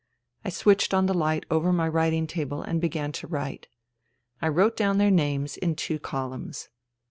I switched on the light over my writing table and began to write. I wrote down their names in two columns.